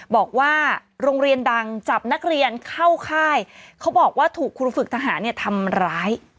บอกว่าโรงเรียนดังจับนักเรียนเข้าค่ายเขาบอกว่าถูกครูฝึกทหารทำร้าย